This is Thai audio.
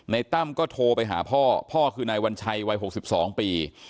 ตั้มก็โทรไปหาพ่อพ่อคือนายวัญชัยวัย๖๒ปี